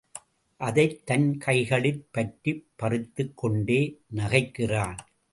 அதைத் தன் கைகளிற் பற்றிப் பறித்துக் கொண்டே நகைக்கிறான்.